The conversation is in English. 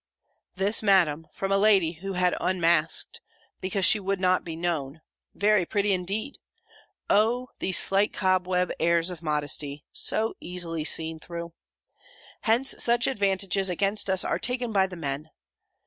This, Madam, from a lady, who had unmasked because she would not be known! Very pretty, indeed! Oh! these slight cobweb airs of modesty! so easily seen through. Hence such advantages against us are taken by the men.